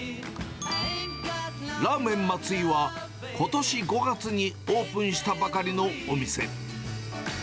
ラーメンマツイは、ことし５月にオープンしたばかりのお店。